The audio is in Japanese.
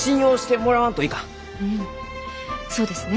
うんそうですね。